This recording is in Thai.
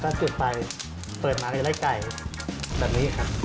แล้วก็จุดไปเปิดมาเลยได้ไก่แบบนี้ครับ